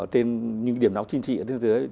trên những điểm đó chính trị ở thế giới